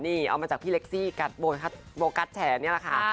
นี่เอามาจากพี่เล็กซี่โฟกัสแฉนี่แหละค่ะ